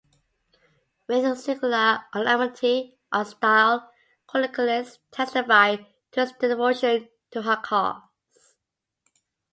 With singular unanimity hostile chroniclers testify to his devotion to her cause.